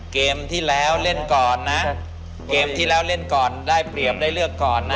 เกมที่แล้วเล่นก่อนนะเกมที่แล้วเล่นก่อนได้เปรียบได้เลือกก่อนนะ